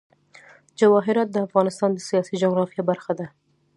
جواهرات د افغانستان د سیاسي جغرافیه برخه ده.